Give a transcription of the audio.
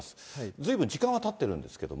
ずいぶん時間はたっているんですけれども。